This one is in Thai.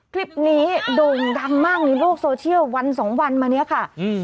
โด่งดังมากในโลกโซเชียลวันสองวันมาเนี้ยค่ะอืม